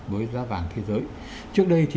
với giá vàng thế giới trước đây thì